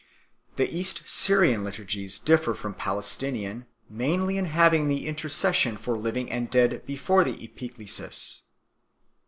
The East Syrian liturgies differ from Pales tinian mainly in having the intercession for living and dead before the Epiklesis.